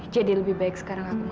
jadi lebih baik sekarang aku menghindar